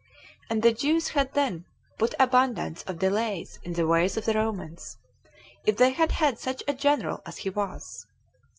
And the Jews had then put abundance of delays in the way of the Romans, if they had had such a general as he was.